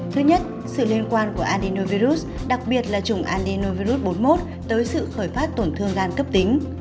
thứ nhất sự liên quan của adenovirus đặc biệt là chủng adenovirus bốn mươi một tới sự khởi phát tổn thương gan cấp tính